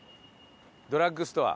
ドラッグストア。